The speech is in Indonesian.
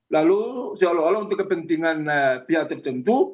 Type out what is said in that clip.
lalu ya allah untuk kepentingan pihak tertentu